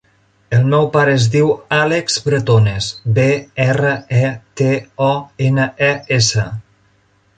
El meu pare es diu Àlex Bretones: be, erra, e, te, o, ena, e, essa.